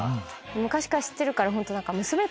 昔から知ってるからホント。